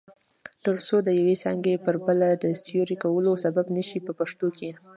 ترڅو د یوې څانګې پر بله د سیوري کولو سبب نشي په پښتو کې.